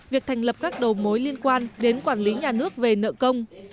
việc thành lập các đầu mối liên quan đến quản lý nhà nước về nợ công